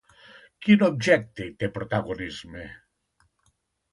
Quin objecte hi té protagonisme?